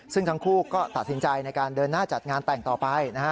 ซึ่งทั้งคู่ก็ตัดสินใจในการเดินหน้าจัดงานแต่งต่อไปนะฮะ